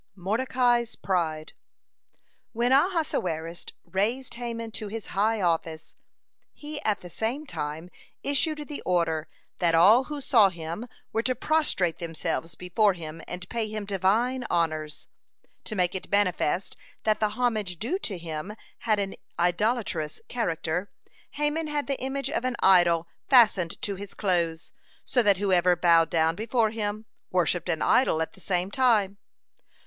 (99) MORDECAI'S PRIDE When Ahasuerus raised Haman to his high office, he at the same time issued the order, that all who saw him were to prostrate themselves before him and pay him Divine honors. To make it manifest that the homage due to him had an idolatrous character, Haman had the image of an idol fastened to his clothes, so that whoever bowed down before him, worshipped an idol at the same time.